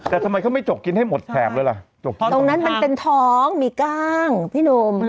แต่ทำไมเขาไม่จกกินให้หมดแถมเลยล่ะจบท้องตรงนั้นมันเป็นท้องมีกล้างพี่หนุ่ม